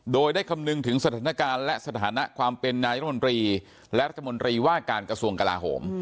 โดยได้คำนึงถึงสถานการณ์และสถานะความเป็นนายรัฐมนตรีและรัฐมนตรีว่าการกระทรวงกลาโหม